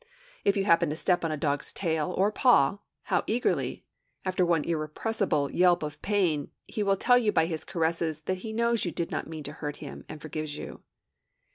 If you happen to step on a dog's tail or paw, how eagerly after one irrepressible yelp of pain will he tell you by his caresses that he knows you did not mean to hurt him and forgives you!